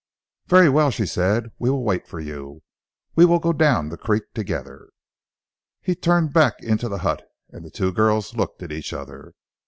"Very well," she said, "we will wait for you. We will go down the creek together." He turned back into the hut, and the two girls looked at each other.